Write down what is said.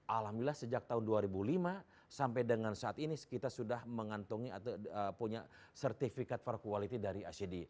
alhamdulillah sejak tahun dua ribu lima sampai dengan saat ini kita sudah mengantongi atau punya sertifikat for quality dari icd